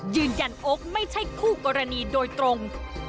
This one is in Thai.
โอนโอ๊คไม่ใช่คู่กรณีโดยตรง